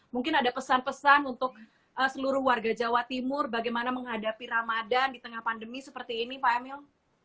mungkin ada pesan pesan untuk seluruh warga jawa timur bagaimana menghadapi ramadan di tengah pandemi seperti ini pak emil